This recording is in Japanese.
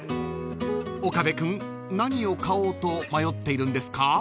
［岡部君何を買おうと迷っているんですか？］